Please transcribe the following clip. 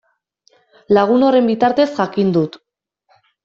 Lagun horren bitartez jakin dut.